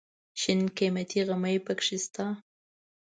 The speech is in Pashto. شین قیمتي غمی پکې شته.